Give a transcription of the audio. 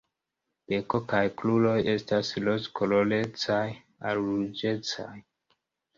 Beko kaj kruroj estas rozkolorecaj al ruĝecaj.